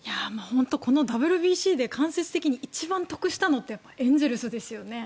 このＷＢＣで間接的に一番得したのってやっぱりエンゼルスですよね。